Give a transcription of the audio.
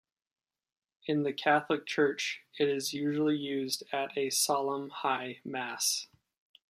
In the Catholic Church, it is usually used at a Solemn High Mass.